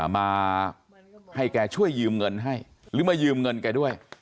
มาให้แกช่วยยืมเงินให้หรือมายืมเงินแกด้วย